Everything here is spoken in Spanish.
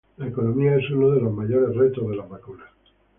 La economía es uno de los mayores retos de las vacunas.